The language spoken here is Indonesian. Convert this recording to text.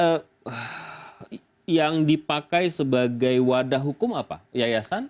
nah yang dipakai sebagai wadah hukum apa yayasan